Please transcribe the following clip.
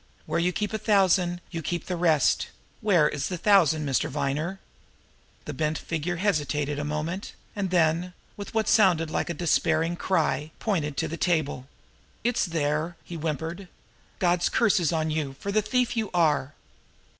"Where you keep a thousand, you keep the rest. Where is the thousand, Mr. Viner?" The bent figure hesitated a moment; and then, with what sounded like a despairing cry, pointed to the table. "It's there," he whimpered. "God's curses on you, for the thief you are."